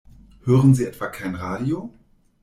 Hören Sie etwa kein Radio?